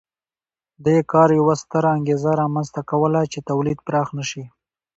دې کار یوه ستره انګېزه رامنځته کوله چې تولید پراخ نه شي